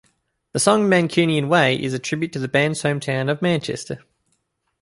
The song "Mancunian Way" is a tribute to the band's hometown of Manchester.